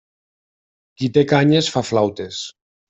Qui té canyes fa flautes.